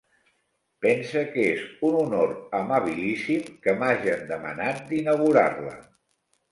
Pense que és un honor amabilíssim que m'hagen demanat inaugurar-la.